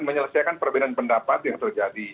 menyelesaikan perbedaan pendapat yang terjadi